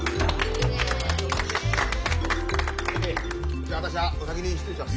じゃ私はお先に失礼します。